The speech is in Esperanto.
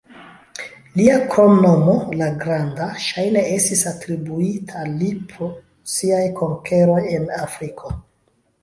Lia kromnomo, "La Granda", ŝajne estis atribuita al li pro siaj konkeroj en Afriko.